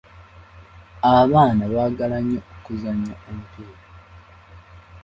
Abaana baagala nnyo okuzannya omupiira.